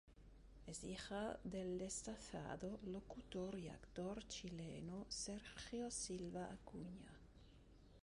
Es hija del destacado locutor y actor chileno Sergio Silva Acuña.